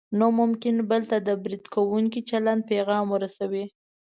نو ممکن بل ته د برید کوونکي چلند پیغام ورسوي.